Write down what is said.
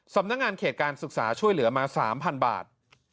สำนักงานเขตการศึกษาช่วยเหลือมา๓๐๐บาท